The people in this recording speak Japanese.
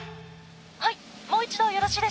「はい？